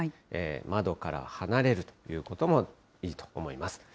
窓から離れるということもいいと思います。